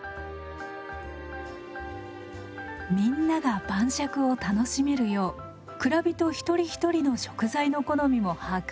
みんなが晩酌を楽しめるよう蔵人一人一人の食材の好みも把握。